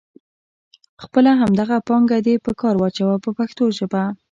خپله همدغه پانګه دې په کار واچوه په پښتو ژبه.